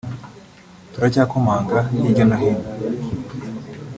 turacyakomanga hirya no hino